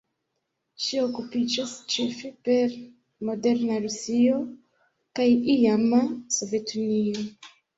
Ŝi okupiĝas ĉefe per moderna Rusio kaj iama Sovetunio.